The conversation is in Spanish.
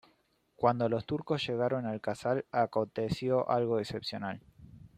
Cuando los turcos llegaron al casal, aconteció algo excepcional.